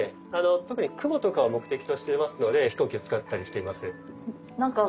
特に雲とかを目的としていますので飛行機を使ったりしています。